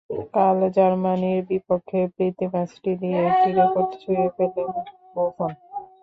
কাল জার্মানির বিপক্ষে প্রীতি ম্যাচটি দিয়ে একটা রেকর্ডও ছুঁয়ে ফেললেন বুফন।